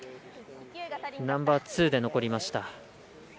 ナンバーツーで残りました。